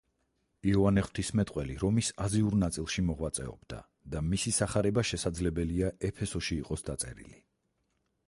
იოანე ღვთისმეტყველი რომის აზიურ ნაწილში მოღვაწეობდა, და მისი სახარება შესაძლებელია ეფესოში იყოს დაწერილი.